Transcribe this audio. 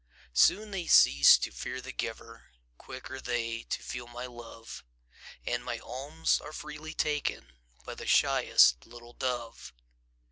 Soon they cease to fear the giver, Quick are they to feel my love, And my alms are freely taken By the shyest little dove.